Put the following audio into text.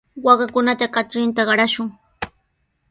Waakakunata katrinta qarashun.